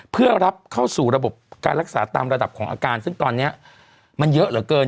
เพื่อรับเข้าสู่ระบบการรักษาตามระดับของอาการซึ่งตอนนี้มันเยอะเหลือเกิน